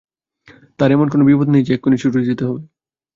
তাঁর এমন কোনো বিপদ নেই যে, এক্ষুণি ছুটে যেতে হবে।